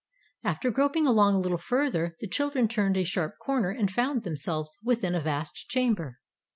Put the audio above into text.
After groping along a little further, the children turned a sharp corner and found themselves within a vast chamber.